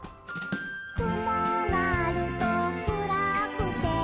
「くもがあると暗くて」